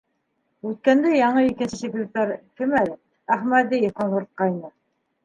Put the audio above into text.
Үткәндә яңы икенсе секретарь, кем әле, Әхмәҙиев, ҡаңғыртҡайны.